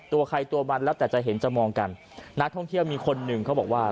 ตัวใครตัวมันแล้วแต่จะเห็นจะมองกันนักท่องเที่ยวมีคนหนึ่งเขาบอกว่า